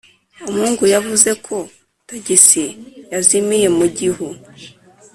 ] umuhungu yavuze ko tagisi yazimiye mu gihu.